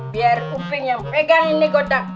biar uping yang pegang ini kotak